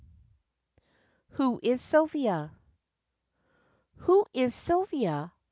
WHO IS SILVIA? Who is Silvia?